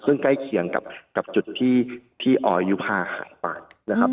ซึ่งใกล้เคียงกับจุดที่ออยุภาหายไปนะครับ